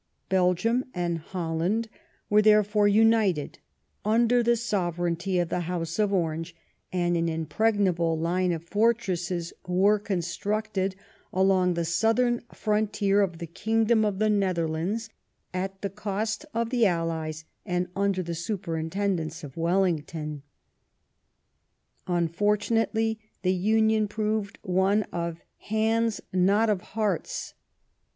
Belgium and Holland were therefore united under the sovereignty of the House of Orange, and an impregnable line of fortresses was constructed along the southern frontier of the kingdom of the Netherlands, at the cost of the Allies, and under the superintendence of Wellington. Unfortunately the union proved one of hands, not of hearts.